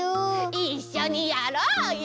いっしょにやろうよ！